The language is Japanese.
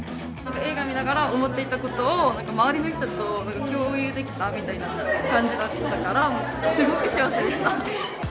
映画見ながら、思っていたことを周りの人と共有できたみたいな感じだったから、すごく幸せでした。